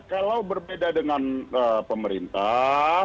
kalau berbeda dengan pemerintah